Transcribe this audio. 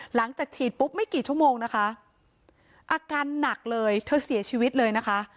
หลังจากฉีดปุ๊บไม่กี่ชั่วโมงนะคะอาการหนักเลยเธอเสียชีวิตเลยนะคะ